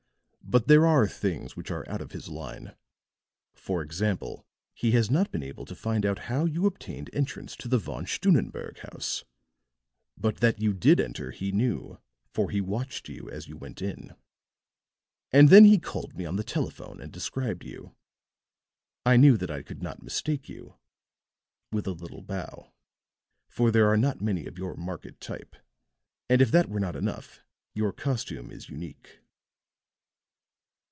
But there are things which are out of his line. For example, he has not been able to find out how you obtained entrance to the Von Stunnenberg house. But that you did enter he knew, for he watched you as you went in. And then he called me on the telephone and described you. I knew that I could not mistake you," with a little bow, "for there are not many of your marked type, and if that were not enough, your costume is unique."